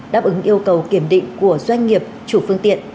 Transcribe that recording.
đáp ứng yêu cầu kiểm định của doanh nghiệp chủ phương tiện